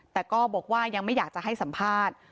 แต่ก็บอกว่ายังไม่อยากจะให้สัมภาษณ์